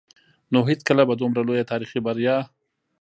نو هېڅکله به دومره لويه تاريخي بريا